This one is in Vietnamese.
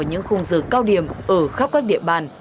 trong những khung dự cao điểm ở khắp các địa bàn